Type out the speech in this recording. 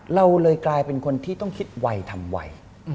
เราเลยกลายเป็นคนที่ต้องคิดไวทำไว